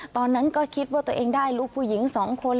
ตอนนั้นก็คิดว่าตัวเองได้ลูกผู้หญิง๒คน